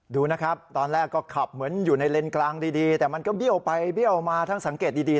ดูนะครับตอนแรกก็ขับเหมือนอยู่ในเลนส์กลางดีแต่มันก็เบี้ยวไปเบี้ยวมาทั้งสังเกตดี